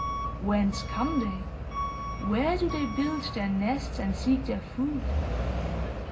Whence come they? Where do they build their nests, and seek their food?